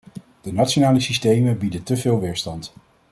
De nationale systemen bieden teveel weerstand.